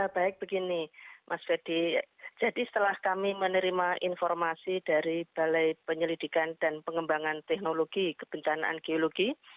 baik begini mas ferdi jadi setelah kami menerima informasi dari balai penyelidikan dan pengembangan teknologi kebencanaan geologi